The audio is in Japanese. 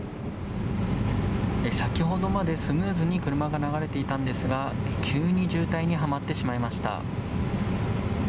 先ほどまでスムーズに車が流れていたんですが、急に渋滞にはまってしまいました。